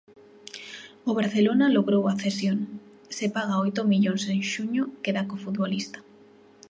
O Barcelona logrou a cesión, se paga oito millóns en xuño queda co futbolista.